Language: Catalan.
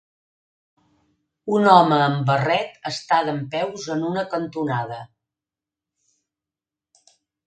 Un home amb barret està dempeus en una cantonada.